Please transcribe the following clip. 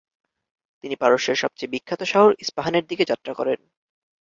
তিনি পারস্যের সবচেয়ে বিখ্যাত শহর ইস্পাহানের দিকে যাত্রা করেন।